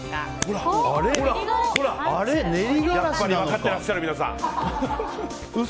やっぱり分かってらっしゃる皆さん。